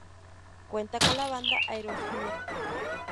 Cuenta con la banda Aerosmith.